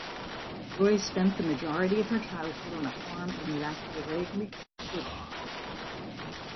Roy spent the majority of her childhood on a farm in Lac-des-Aigles, Quebec.